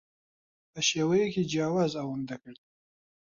بە شێوەیەکی جیاواز ئەوەم دەکرد.